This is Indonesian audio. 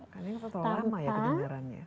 karena ini sudah lama ya kedengarannya